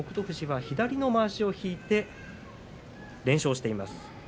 富士は左のまわしを引いて連勝しています。